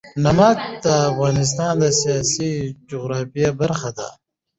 نمک د افغانستان د سیاسي جغرافیه برخه ده.